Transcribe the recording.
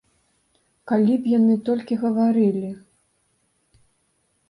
Калі б яны толькі гаварылі!